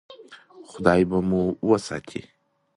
خدای به مو وساتي.